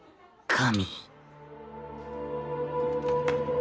神